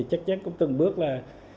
chắc chắn có từng bước là